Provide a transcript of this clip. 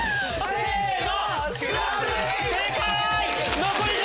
せの。